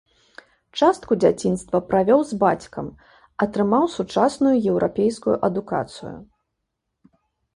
Частку дзяцінства правёў з бацькам, атрымаў сучасную еўрапейскую адукацыю.